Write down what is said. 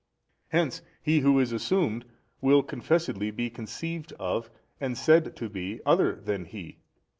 A. Hence he who is assumed will confessedly be conceived of and said to be other than He.